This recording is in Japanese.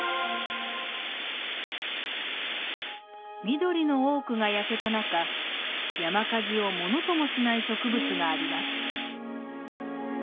緑の多くが焼けた中山火事をものともしない植物があります。